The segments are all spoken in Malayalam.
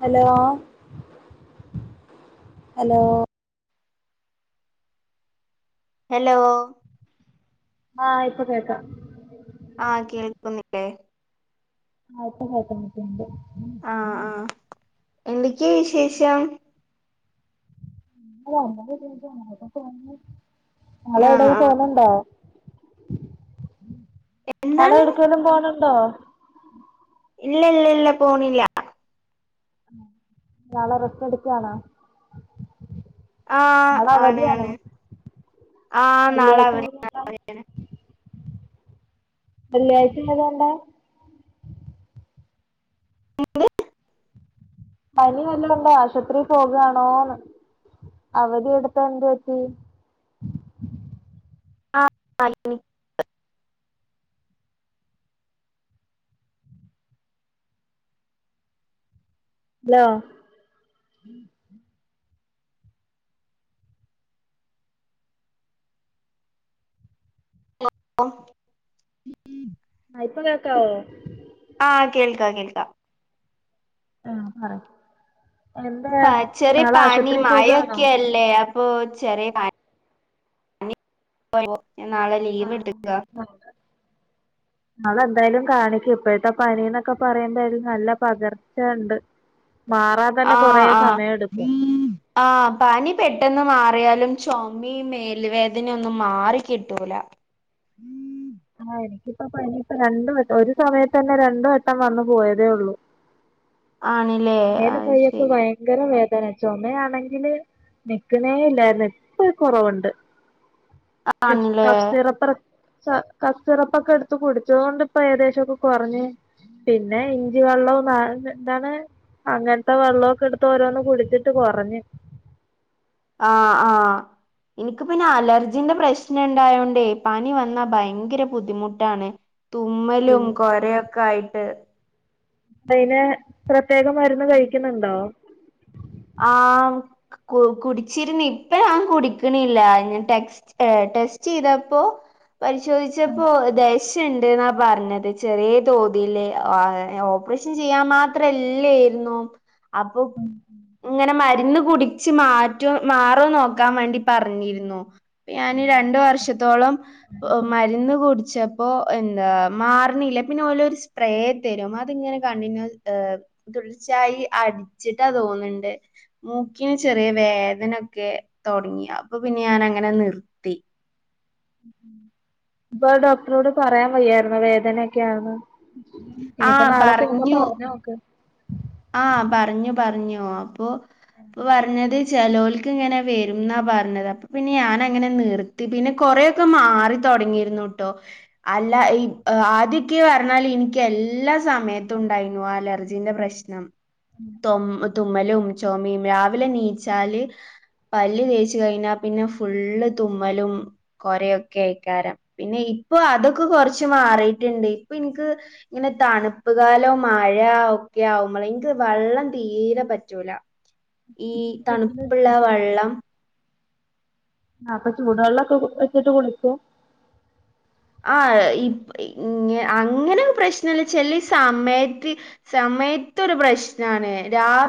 ഹലോ ഹലോ ഹലോ ആഹ് ഇപ്പൊ കേക്കാം ആഹ് കേൾക്കു ന്നി ല്ലേ ആഹ് പ്പ കേൾക്കമ്പറ്റ്ണ്ട് എന്തെക്കേ വിശേഷം [unintelligible] ഞളെ എവിടെ ആഹ് ആഹ് പോന്ന്ണ്ടോ ങ്ങള് എന്താണ് എവ്ട്ക്കേലും പോണ് ണ്ടോ ഇല്ല ഇല്ല ഇല്ല പോണിയ്യ നാളെ റെസ്റ്റെടുക്കുവാണോ ആഹ് നാളെ ആണ് അവധിയാണോ ആണ് ആഹ് നാളെ വെള്ളിയാഴ്ച [unintelligible] അവധിയാണ് സാ അവധിയാണ് വെള്ളിയാഴ്ച്ചിം [unintelligible] ണ്ടാ [unintelligible] പനി വല്ലോണ്ടോ ആശുപത്രിയി പോകാണോന്ന് അവധിയെടുത്ത എന്ത് പറ്റി ആഹ് [unintelligible] തോ അഹ് [unintelligible] ഇപ്പ കേക്കാവോ ആഹ് കേൾക്കാം കേൾക്കാം ആഹ് ആഹ് പ ചെറിയ പനി ആശുപത്രി പോകാണോ മഴൊക്കെയല് ല്ലെ അപ്പൊ ചെറിയ പനി [unintelligible] ഞാൻ നാളെ ലീവ് ഇട്ക്കാ ആഹ് നാളെന്തായാലും കാണിക്ക് ഇപ്പഴത്തെ പനിന്നൊക്കെ പറയുമ്പെയ്ത് നല്ല പകർച്ചണ്ട് മാറാൻ തന്നെ കൊറേ ആഹ് സമയം എടുക്കും ആഹ് ആഹ് പനി പെട്ടെന്ന് മാറിയാലും ചൊമിം മേൽ വേദനയൊന്നും മാറിക്കിട്ടൂല ആഹ് എനിക്കിപ്പോ പനി യിപ്പോ രണ്ട് വട്ടം ഒരു സമയത്ത് തന്നെ രണ്ടും വട്ടം വന്നു പോയതേ ഉള്ളൂ ആണ്ല്ലേ ന്നായാലും പ്പോയോക്ക് വേം ഭയങ്കര വേദന ചൊമയാണെങ്കില് നിക്ക്ന്നേ ഇല്ലയ്ര്ന്ന് ഇപ്പ കൊറവ്ണ്ട് ക്ഫ് ആണില്ലേ കഫ് സിറപ്പ ച കഫ് സിറപ്പൊക്കെ എടുത്ത് കുടിച്ചതോണ്ട് ഇപ്പൊ ഏകദേശൊക്കെ കൊറഞ്ഞ് പിന്നെ ഇഞ്ചി വെള്ളവും നാ യ് ന്നെ ന്താണ് അങ്ങനത്തെ വെള്ളവൊക്കെ എടുത്ത് ഓരോന്ന് കുടിച്ചിട്ട് കൊറഞ്ഞ് ആഹ് ആഹ് ഇൻക്ക് പിന്നെ അലർജിന്റെ പ്രശ്നണ്ടായോണ്ടേയ് പനി വന്നാ ഭയങ്കര ബുദ്ധിമുട്ടാണ്- തുമ്മലും കൊരയൊക്കെ ആയിട്ട് അയ്ന് പ്രത്യേക മരുന്ന് കഴിക്കുന്നുണ്ടോ ആഹ് കു കുടിച്ചിരുന്ന് ഇപ്പൊ ഞാൻ കുടിക്കണില്ല ടെസ്റ്റ് ഏഹ് ടെസ്റ്റ് ചെയ്തപ്പോ പരിശോധിച്ചപ്പോ ദ ശ ണ്ട്ന്നാ പറഞ്ഞത് ചെറിയ തോതില് ഓപ്പറേഷൻ ചെയ്യാൻ മാത് ത്ര ഇല്ലേർന്നു അപ്പൊ- ഇങ്ങനെ മരുന്ന് കുടിച്ച് മാറ്റോ മാറോ നോക്കാൻ വേണ്ടി പറഞ്ഞിരുന്നു ഞാന് രണ്ട് വർഷത്തോളം മരുന്ന് കുടിച്ച പ്പൊ എന്താ മാറണില്ല പിന്നെ ഓലോരു സ്പ്രേ തരും അതിങ്ങനെ കണ്ടിന്യൂ ഏ - തുടർച്ചായി അടിച്ചിട്ടാ തോന്ന്ണ്ട് മൂക്കിന് ചെറിയ വേദനൊക്കെ തൊടങ്ങി അപ്പൊ പിന്നെ ഞാൻ അങ്ങനെ നിർ അആ പ്പ ഡോക്ടറോട് പറയാൻ വയ്യായിരുന്നോ വേദനൊക്കെയാന്ന് ഇനിപ്പോ ആഹ് നാളെ പോകുമ്പോ പറഞ്ഞു പറഞ്ഞോക്ക് ആഹ് പറഞ്ഞു പറഞ്ഞു അപ്പൊ അപ്പ പറഞ്ഞത് ചെലോൽക്ക് ഇങ്ങനെ വരുംന്നാ പറഞ്ഞത് അപ്പ പിന്നെ ഞാനങ്ങനെ നിർത്തി പിന്നെ കൊറേ ക്ക മാറിത്തൊടങ്ങിയിരുന്നുട്ടോ അല്ല ഈ ആദ്യക്കി പറഞ്ഞാല് ഇനിക്ക് എല്ലാ സമയത്തും ഉണ്ടായിരുന്നു അലർജിന്റെ പ്രശ്നം തൊ തുമ്മലും ചോമേം രാവിലെ നീച്ചാല്- പല്ല് തേച്ച് കഴിഞ്ഞാ പിന്നെ ഫുള്ള് തുമ്മലും- കൊരയൊക്കെക്കാരം പിന്നെ ഇപ്പൊ അതൊക്കെ കൊറച്ച് മാറിട്ടുണ്ട് ഇപ്പൊ ഇൻക്ക്- ഇങ്ങനെ തണുപ്പ് കാലോ മഴ ഒക്കെയാവു മ്പളെ ഇനിക്ക് വള്ളം തീരെ പറ്റൂല ഈ തണുപ്പ്ള്ള വള്ളം ആപ്പൊ ചൂടുവള്ളോക്കെ വെച്ചിട്ട് കുളിക്കാ ആ അങ്ങനെ പ്രശ്നല്ല ചെലെ സമയത്ത് സമയത്തൊരു പ്രശ്നാണ്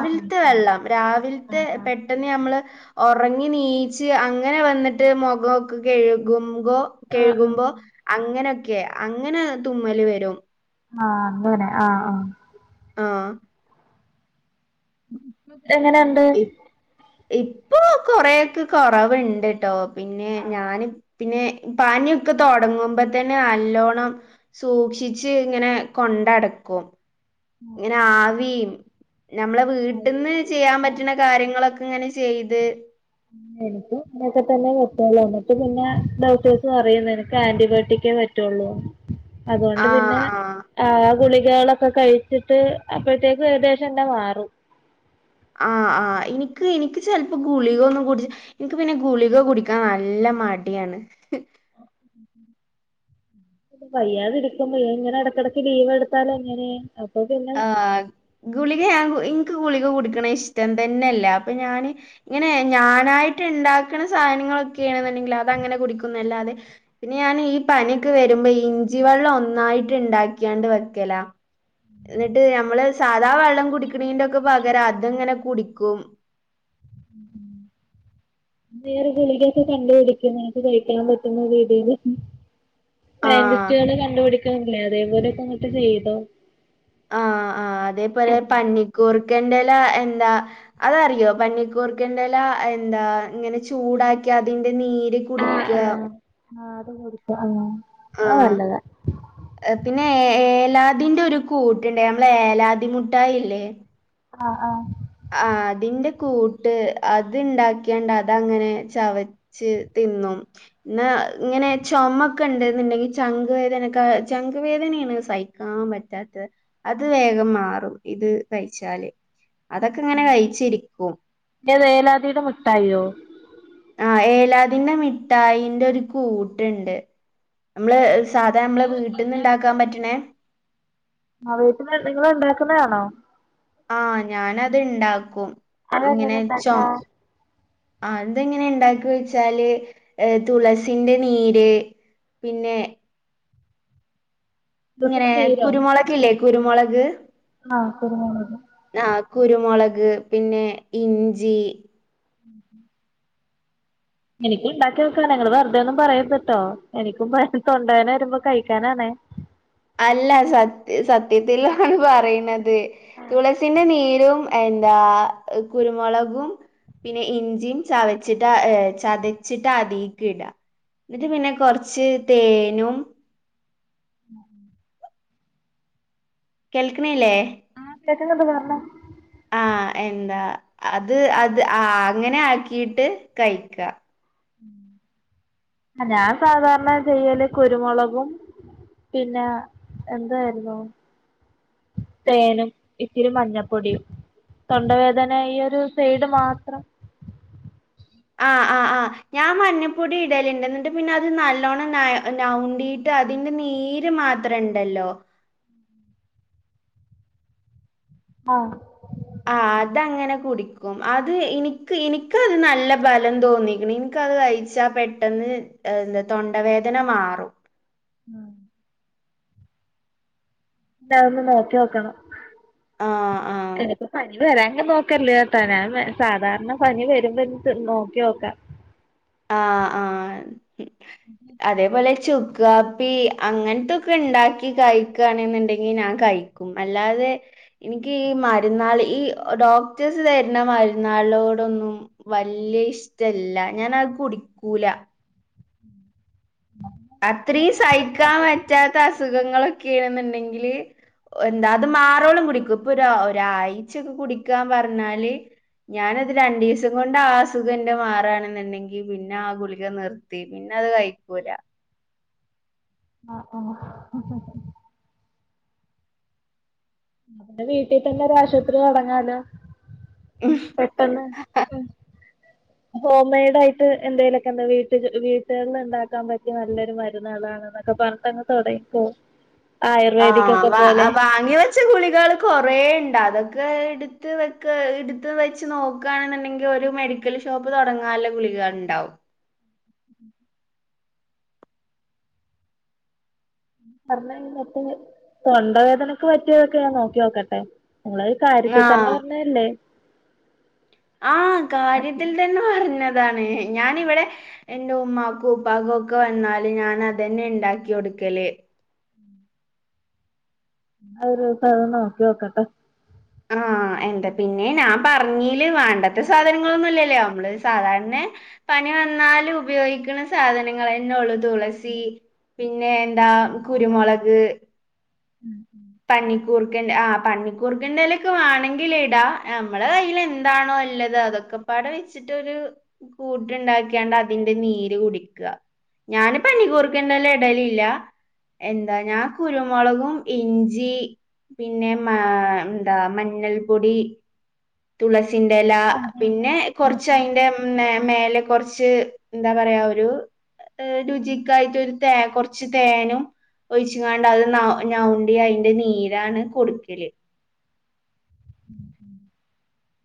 ആ വെള്ളം രാവിലത്തെ ആ പെട്ടെന്ന് നമ്മള് ഒറങ്ങി നീച്ച് അങ്ങനെ വന്നിട്ട് മൊഖോക്കെ കഴുകുമ്പോ കെഴുകുമ്പോ ആ അങ്ങനൊക്കെ അങ്ങനെ തുമ്മല് വരും ആഹ് അങ്ങനെ ആഹ് ആഹ് ആഹ് ഇപ്പം എങ്ങന ഇപ്പൊ കൊറേക്കെ കുറവ് ണ്ട് ട്ടോ പിന്നെ ഞാന് പിന്നെ പനിക്കെ തുടങ്ങുമ്പോത്തേന് നല്ലോണം സൂക്ഷിച്ച് ഇങ്ങനെ കൊണ്ടടക്കും ഇങ്ങനെ ആവി നമ്മളെ വീട്ടിൽന്ന് ചെയ്യാൻ പറ്റുന്ന കാര്യങ്ങളൊക്കെ ഇങ്ങനെ ചെയ്ത് എനിക്ക് അങ്ങനൊക്കെ തന്നെ പറ്റ്വൊള്ളൂ അന്നട്ട് പിന്നെ ഡോക്ട്ടേഴ്സ് പറയും നിനക്ക് ആന്റിബയോട്ടിക്കെ പ പറ്റുള്ളൂ അതുകൊണ്ട് ആ പിന്നെ ആ ആ ഗുളികകളൊക്കെ കഴി ച്ചിട്ട് അപ്പോഴത്തേക്ക് ഏകദേശം തന്നെ മാറും ആഹ് ആഹ് എനിക്ക് എനിക്ക് ചെലപ്പോ ഗുളികൊന്നും കുടിച്ച എനിക്ക് പിന്നെ ഗുളിക കുടിക്കാൻ നല്ല മടിയാണ് വയ്യാതിരിക്കുമ്പ ഇങ്ങനെ എടക്കിടയ്ക്ക് ലീവ് എടുത്താലെങ്ങനെ അപ്പൊ പിന്നെ ആഹ് ഗുളിക ഞാൻ എനിക്ക് ഗുളിക കുടിക്കണ ഇഷ്ടം തന്നെല്ല അപ്പൊ ഞാന് ഇങ്ങനെ ഞാനായിട്ട് ഇണ്ടാക്കണ സാധനങ്ങളൊക്കെയണെന്നുണ്ടെങ്കിൽ അത് അങ്ങനെ കുടിക്കുന്നല്ലാതെ പിന്നെ ഞാൻ ഈ പനിയൊക്കെ വരുമ്പോ ഇഞ്ചി വെള്ളം ഒന്നായിട്ട് ണ്ടാക്കിയാണ്ട് വെക്കല എന്നിട്ട് നമ്മള് സാധാ വെള്ളം കുടിക്കണന്റെ ക്കെ പകരം അതങ്ങനെ കുടിക്കും ഉം വേറെ ഗുളികൊക്കെ കണ്ട്പിടിക്കും നിനക്ക് കഴിക്കാൻ പറ്റുന്ന രീതിയില് ആഹ് സയന്റിസ്റ്റുകള് കണ്ടുപിടിക്കണില്ലേ അതേപോലെക്കെ അങ്ങോട്ട് ചെയ്തോ ആഹ് ആഹ് അതേപോലെ പന്നിക്കൂർക്കന്റെല എന്താ അതറിയോ പന്നിക്കൂർക്കൻ്റെല എന്താ ഇങ്ങനെ ചൂടാക്കി അതിന്റെ നീര് ആ ആ കുടിക്കാ അത്കുടിക്കാഞ്ഞാ അത് ആഹ് നല്ലതാ പിന്നെ ഏലാദിന്റെ ഒരു കൂട്ടുണ്ട് നമ്മളെ ഏലാദി മുട്ടായില്ലേ ആഹ് ആഹ് ആ അതിന്റെ കൂട്ട് അത് ഇണ്ടാക്കിയാണ്ട് അതങ്ങനെ ചവ ച്ച് തിന്നും ന്നാ ഇങ്ങനെ ചുമൊക്കെണ്ട് ന്ന്ണ്ടെങ്കിൽ ചങ്കുവേദനക്കെ ചങ്കുവേദനയാണ് സഹി ആ മെറ്റാറ്റെ അത് വേഗം മാറും ഇത് കഴിച്ചാല് അതൊക്കെ ഇങ്ങനെ കഴിച്ചിരിക്കും ഏത് ഏലാദിടെ മിട്ടായിയോ? ആ ഏലാദിന്റെ മിഠായിന്റെ ഒരു കൂട്ട്ണ്ട് നമ്മള് സാധാ നമ്മളെ അത് വീട്ടിൽന്ന് ണ്ടാക്കാൻ പറ്റണേ ആ വീട്ട്ന്ന് നിങ്ങൾ ഇണ്ടാക്കുന്നയാണോ? ആ ഞാനത് ഇണ്ടാക്കും അത് എങ്ങനെ ണ്ടാക്കാ? ആ അതെങ്ങനെ ണ്ടാക്ക ചോയ്ചാല് ഏ തുളസിന്റെ നീര് പിന്നെ ഇങ്ങനെ നീരോ കുരുമുളക് ഇല്ലെ കുരുമുളക് ആ കുരുമുളക് ആ കുരുമുളക് പിന്നെ ഇഞ്ചി [inaudible] എനിക്കും ഉണ്ടാക്കിനോക്കാനാ ങ്ങള് വെറുതെ ഒന്നും പറയര്ത്ട്ടോ എനിക്കും തൊണ്ട വേദന വരുമ്പോ കഴിക്കാനാണേ [inaudible] അല്ല സത് സത്യത്തിലാണ് പറയണത് തുളസിന്റെ നീരും എന്താ കുരുമുളകും പിന്നെ ഇഞ്ചിയും ചവച്ചിട്ട് ചതച്ചിട്ട് അതീക്ക് ഇട ന്ന്ട്ട് പിന്നെ കൊറച്ച് തേനും [inaudible] കേൾക്ക്‌ണില്ലേ? കേക്ക്ന്ന്ണ്ട് പറഞ്ഞോ ആ എന്താ അത് അത് ആ അങ്ങനെ ആ‌ക്കിട്ട് കഴിക്കാ ഞാൻ സാധാരണ ചെയ്യല് കുരുമുളകും പിന്ന എന്താരുന്നു തേനും ഇത്തിരി മഞ്ഞപ്പൊടിയും തൊണ്ടവേദന ഈ ഒരു സൈഡ് മാത്രം ആഹ് ആഹ് ആഹ് ഞാൻ മഞ്ഞപ്പൊടി ഇടലിണ്ട് എന്നിട്ട് പിന്നെ അത് നല്ലോണം ന നൗണ്ടി ട്ട് അതിന്റെ നീര് മാത്രണ്ടല്ലോ [inaudible] ആഹ് ആ അതങ്ങനെ കുടിക്കും അത് ഇൻക് ഇൻക്കത് നല്ല ബലം തോന്നീക്ക്‌ണ് ഇൻക്കത് കഴിച്ച് ച്ചാ പെട്ടെന്ന് എന്താ തൊണ്ടവേദന മാറും ആഹ് ന്നാ അതൊന്ന് നോക്കി നോക്കണം ആഹ് ആഹ്. എനിക് പനി വരാങ്കി നോക്കല്ല് തനാൻ സാധാരണ പനി വരുമ്പെത് നോക്കി നോക്കാം ആഹ് ആഹ് അതേപോലെ ചുക്കാ പ്പി അങ്ങനത്തൊക്കെണ്ടാക്കി കഴിക്കാണെന്ന്ണ്ടെങ്കി ഞാൻ കഴിക്കും അല്ലാതെ ഇൻ‌ക്കി ഈ മരുന്നാളേ ഈ ഡോക്ടേഴ്സ് തരുന്ന മരുന്നാളോടൊന്നും വല്ല്യ ഇഷ്ടല്ല ഞാനത് കുടിക്കൂല അത്രിം സഹിക്കാൻ പറ്റാത്ത അസുഖങ്ങളൊക്കെയാന്നുണ്ടെങ്കില് എന്താ അത് മാറോളം കുടിക്കും ഇപ്പൊരൊ ഒരാഴ്ചൊക്കെ കുടിക്കാൻ പറഞ്ഞാല് ഞാനത് രണ്ടിസം കൊണ്ട് ആ അസുഖഎൻ്റ മാറാണെന്നുണ്ടെങ്കി പിന്നെ ആ ഗുളിക നിർത്തി പിന്നത് കഴിക്കൂല ആഹ് ആഹ് വീട്ടിൽ തന്നെ ഒരു ആശുപത്രി തുടങ്ങാലോ ഉം പെട്ടെന്ന് ഹോംമെയ്ഡായിട്ട് എന്തെലുമൊക്കെ എന്താ വീട്ടില് വീട്ടുകളില് ഉണ്ടാക്കാൻ പറ്റി നല്ലൊരു മരുന്നാളാണ് ന്നക്ക പറന്നിട്ടങ്ങ് തുടങ്ങിക്കേ ആയുർവേദിക്ക് ഒക്കെ പോലെ ച്ച് ഗുളികള് കൊറേയിണ്ട് അതൊക്കെ എടുത്ത് വെക്കാ എടുത്ത് വെച്ച് നോക്ക്‌ ക്കാണെന്നങ്കി ഒരു മെഡിക്കൽ ഷോപ്പ് തൊടങ്ങാൻ ള ഗുളികണ്ടാവും പറന്നഴിന്നിട്ട് തൊണ്ടവേദനക്ക് പറ്റിയതൊക്കെ ഞാൻ നോക്കി നോക്കട്ടെ നമ്മളത് കാര്യത്തി തന്നെ ആഹ് പറഞ്ഞതല്ലേ ആ കാര്യത്തിൽ തന്നെ പറഞ്ഞതാണ് ഞാനിവിടെ എന്റെ ഉമ്മാക്കും ഉപ്പാക്കും ഒക്കെ വന്നാല് ഞാൻ അതന്നെ ഉണ്ടാക്കി കൊടുക്കല് അത് [unintelligible] നോക്കി നോക്കട്ടെ ആഹ് എന്താ പിന്നെ ഞാൻ പറഞ്ഞീല് വേണ്ടത്ത സാധനങ്ങളൊന്നും ഇല്ലല്ലേ നമ്മള് സാധാര്ണേ പനി വന്നാല് ഉപയോഗിക്കുന്ന സാധനങ്ങള് തന്നെ ഉള്ളു തുളസി സി പിന്നെ എന്താ കുരുമുളക് ഉം പന്നിക്കൂർക്കൻ്റെ ആ പന്നിക്കൂർക്ക ൻ്റെ എലേക്കെ വേണങ്കിയിടാ ഞമ്മള കയ്യിൽ എന്താണോ ഉള്ളത് അതൊക്കെ ക്കപ്പാട വെച്ചിട്ടൊരു കൂട്ടുണ്ടാക്കിയാണ്ട് അതിന്റെ നീര് കുടിക്കാ ഞാന് പനികൂർക്കേൻ്റെയില എടലില്ല എന്താ ഞാൻ കുരുമുളകും ഇഞ്ച് ജി പിന്നെ മാ എന്താ മഞ്ഞൾപൊടി ഞാൻ തുളസിന്റെലാ സാധാരണ പിന്നെ കുറച്ച് ചുക്കാപ്പിന്നെ അയിന്റെ മ്ന്നേ മേലെ കുറച്ച് എന്താ പറയാ ഒരു രുചിക്കായിട്ടൊരു തേ കുറച്ച് തേനും ഒഴിച്ചാണ്ട് അത് ഞൗണ്ടി അതിന്റെ നീരാണ് കൊടുക്കല്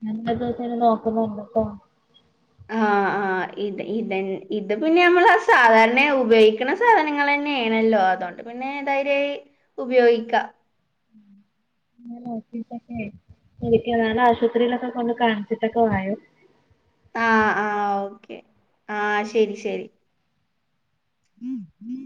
നല്ല ദിവസെ നോക്കുന്നുണ്ടട്ടോ ആഹ! ആഹ! ഇത് ഇത ഇത് പിന്നെ നമ്മൾ സാധാരണയ ഉപയോഗിക്കണ സാധനങ്ങൾ തന്നെയ ആണല്ലോ അതുകൊണ്ട് പിന്നെ ധൈര്യായി ഉപയോഗിക്കാം ഉം ഇന്നലെയൊക്കെ ശരിക്കാണ് ആശുപത്രിയിലൊക്കെ കൊണ്ട് കാണിച്ചിട്ടൊക്കെ വായോ ആഹ! ആ.. ഓക്കെ ആഹ! ശരി ശരി ഉം ഉം